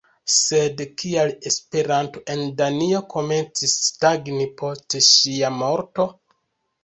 Sed kial Esperanto en Danio komencis stagni post ŝia morto?